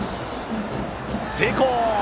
成功！